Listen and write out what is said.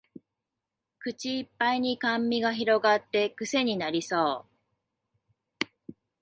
口いっぱいに甘味が広がってクセになりそう